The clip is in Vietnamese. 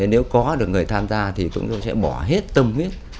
nếu có được người tham gia thì chúng tôi sẽ bỏ hết tâm huyết